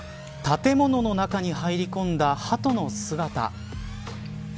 建物の中に入り込んだハトの姿。